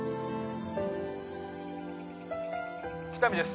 喜多見です